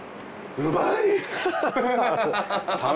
うまい！